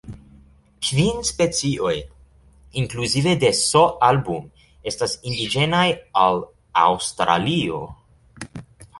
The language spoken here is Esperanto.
Kvin specioj, inkluzive de "S. album", estas indiĝenaj al Aŭstralio.